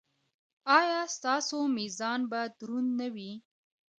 ایا ستاسو میزان به دروند نه وي؟